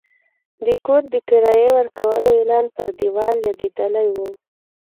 د کور د کرایې ورکولو اعلان پر دېوال لګېدلی و.